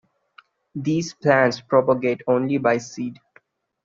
These plants propagate only by seed.